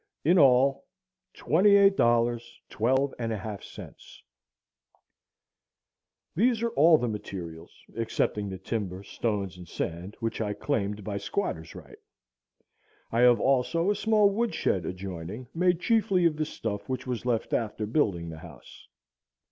In all,..................... $28.12½ These are all the materials excepting the timber stones and sand, which I claimed by squatter's right. I have also a small wood shed adjoining, made chiefly of the stuff which was left after building the house.